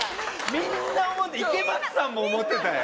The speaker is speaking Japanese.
みんな思って池松さんも思ってたよ。